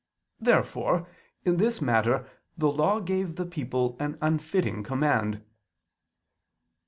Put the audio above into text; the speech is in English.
Therefore in this matter the Law gave the people an unfitting command.